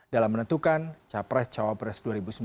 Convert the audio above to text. dalam menentukan capres cawapres dua ribu sembilan belas